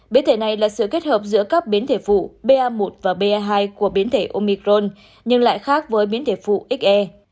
biến thể này là sự kết hợp giữa các biến thể phụ ba một và ba hai của biến thể omicron nhưng lại khác với biến thể phụ xe